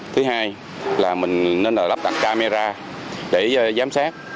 thứ hai là mình nên là lắp đặt camera để giám sát